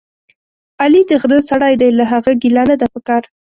علي دغره سړی دی، له هغه ګیله نه ده پکار.